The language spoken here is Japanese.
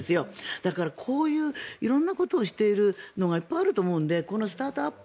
だから、こういう色んなことをしているのがいっぱいあると思うのでこのスタートアップ